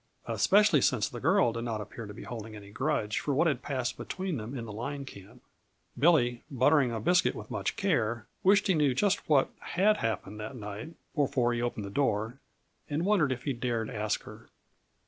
Especially since the girl did not appear to be holding any grudge for what had passed between them in the line camp. Billy, buttering a biscuit with much care, wished he knew just what had happened that night before he opened the door, and wondered if he dared ask her.